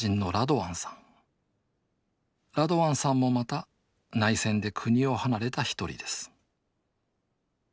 ラドワンさんもまた内戦で国を離れた一人です